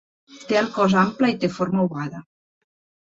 Té el cos ample i té forma ovada.